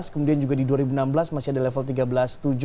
kemudian juga di dua ribu enam belas masih ada level tiga belas tujuh